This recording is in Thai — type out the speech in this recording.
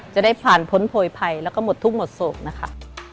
จะได้ผ่านพ้นโพยภัยแล้วก็หมดทุกข์หมดโศกนะคะ